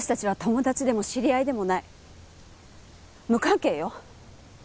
無関係よ。